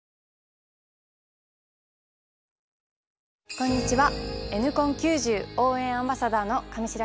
こんにちは。